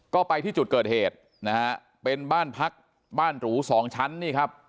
ก็ไปที่จุดเกิดเหตุนะฮะเป็นบ้านพักบ้านหรูสองชั้นนี่ครับ